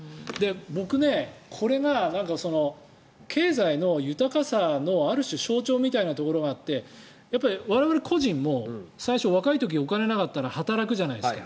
僕、経済の豊かさのある種象徴みたいなところがあって我々個人も最初若い時、お金なかったら働くじゃないですか。